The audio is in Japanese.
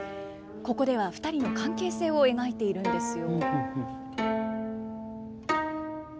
ここでは２人の関係性を描いているんですよ。